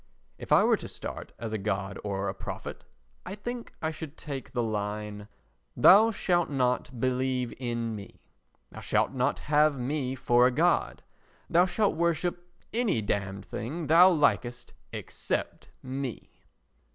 If I were to start as a god or a prophet, I think I should take the line: "Thou shalt not believe in me. Thou shalt not have me for a god. Thou shalt worship any damned thing thou likest except me."